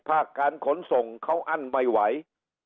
ภาคการขนส่งเขาอั้นไม่ไหว